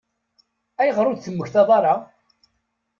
Ayɣer ur d-temmektaḍ ara?